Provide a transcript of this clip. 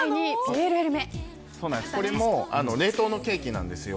これも冷凍のケーキなんです。